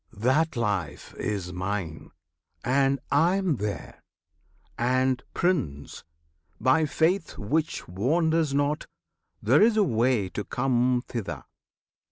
That Life Is Mine, and I am there! And, Prince! by faith Which wanders not, there is a way to come Thither.